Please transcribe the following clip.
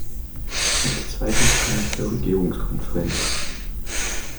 Als zweites komme ich zur Regierungskonferenz.